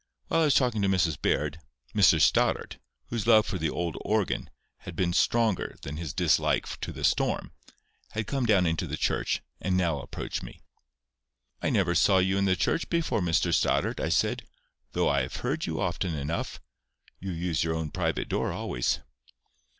While I was talking to Mrs Baird, Mr Stoddart, whose love for the old organ had been stronger than his dislike to the storm, had come down into the church, and now approached me. "I never saw you in the church before, Mr Stoddart," I said, "though I have heard you often enough. You use your own private door always."